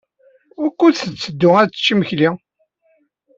Wukud tetteddu ad tečč imekli?